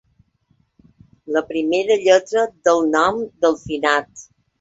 La primera lletra del nom del finat.